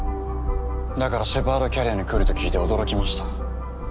だからシェパードキャリアに来ると聞いて驚きました。